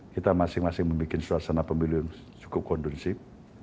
kita masing masing membuat suasana pemilihan yang cukup kondensif